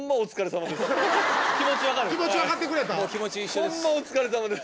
ホンマお疲れさまです。